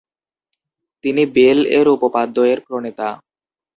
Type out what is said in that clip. তিনি বেল এর উপপাদ্য এর প্রণেতা।